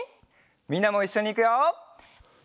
みんなもいっしょにいくよ。